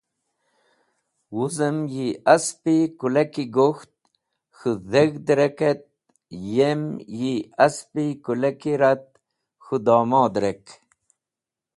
Woz em yi asp-e kũleki gok̃ht k̃hũ dheg̃h’rek et yem yi asp-e kũleki ret k̃hũ domod’rek.